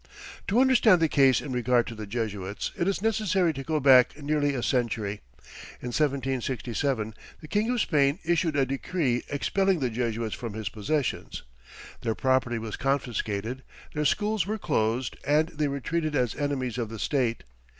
To understand the case in regard to the Jesuits, it is necessary to go back nearly a century. In 1767, the King of Spain issued a decree expelling the Jesuits from his possessions. Their property was confiscated, their schools were closed, and they were treated as enemies of the state.